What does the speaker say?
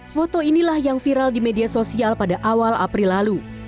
foto inilah yang viral di media sosial pada awal april lalu